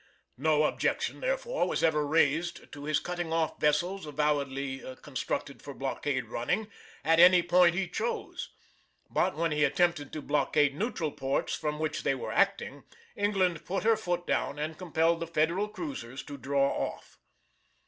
No objection, therefore, was ever raised to his cutting off vessels avowedly constructed for blockade running at any point he chose; but when he attempted to blockade neutral ports from which they were acting, England put her foot down and compelled the Federal cruisers to draw off.